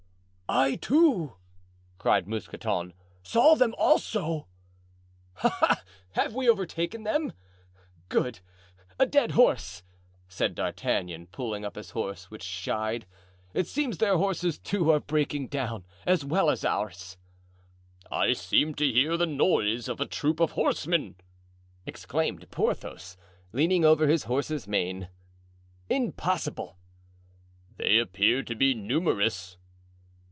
"I, too," cried Mousqueton, "saw them also." "Ah! ah! have we overtaken them?" "Good! a dead horse!" said D'Artagnan, pulling up his horse, which shied; "it seems their horses, too, are breaking down, as well as ours." "I seem to hear the noise of a troop of horsemen," exclaimed Porthos, leaning over his horse's mane. "Impossible." "They appear to be numerous."